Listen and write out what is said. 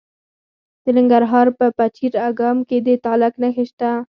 د ننګرهار په پچیر اګام کې د تالک نښې شته.